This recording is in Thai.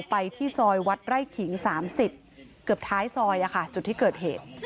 ไปที่ซอยวัดไร่ขิง๓๐เกือบท้ายซอยจุดที่เกิดเหตุ